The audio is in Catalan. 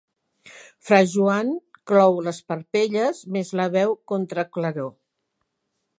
Fra Joan clou les parpelles, més la veu contra-claror.